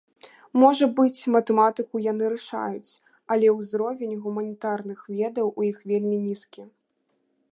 Можа быць, матэматыку яны рашаюць, але ўзровень гуманітарных ведаў у іх вельмі нізкі.